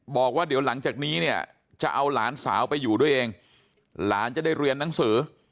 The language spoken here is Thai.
บอกว่าเดี๋ยวหลังจากนี้เนี่ยจะเอาหลานสาวไปอยู่ด้วยเองหลานจะได้เรียนหนังสือ